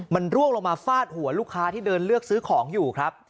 มันร่วงลงมาฟาดหัวลูกค้าที่เดินเลือกซื้อของอยู่ครับ